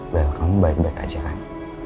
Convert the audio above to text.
biar kamu baik baik aja kan